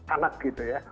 anak gitu ya